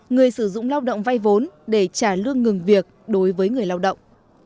người sử dụng lao động vay vốn để trả lương ngừng việc đối với người lao động